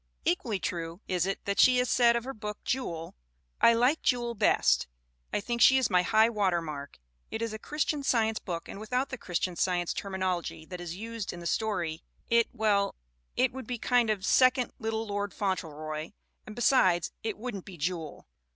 Equally true is it that she has said of her book, Jewel : "I like Jewel best. I think she is my high water mark. It is a Christian Science book and without the Christian Science terminology that is used in the story it, well, it would be a kind of second Little Lord Fauntleroy, and besides, it wouldn't be Jewel."